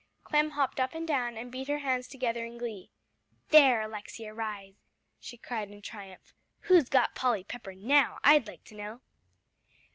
Clem hopped up and down and beat her hands together in glee. "There, Alexia Rhys!" she cried in triumph. "Who's got Polly Pepper now, I'd like to know!"